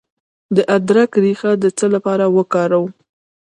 د ادرک ریښه د څه لپاره وکاروم؟